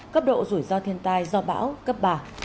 cấp độ rủi ro thiên tai do bão cấp ba